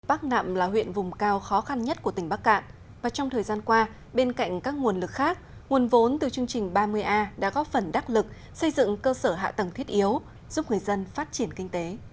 bắc nạm là huyện vùng cao khó khăn nhất của tỉnh bắc cạn và trong thời gian qua bên cạnh các nguồn lực khác nguồn vốn từ chương trình ba mươi a đã góp phần đắc lực xây dựng cơ sở hạ tầng thiết yếu giúp người dân phát triển kinh tế